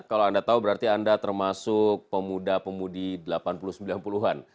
kalau anda tahu berarti anda termasuk pemuda pemudi delapan puluh sembilan puluh an